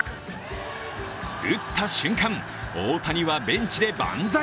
打った瞬間、大谷はベンチで万歳。